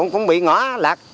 cũng bị ngỏ lạc